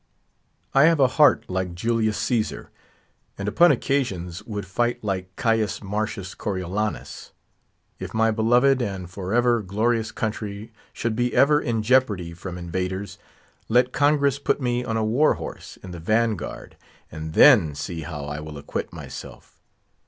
I have a heart like Julius Caesar, and upon occasions would fight like Caius Marcius Coriolanus. If my beloved and for ever glorious country should be ever in jeopardy from invaders, let Congress put me on a war horse, in the van guard, and then see how I will acquit myself.